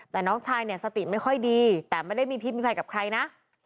แต่น้องชายเนี่ยสติไม่ค่อยดีแต่ไม่ได้มีพิษมีภัยกับใครนะ